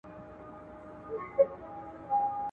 که ساینس تجربه سي، شک نه پاتې کېږي.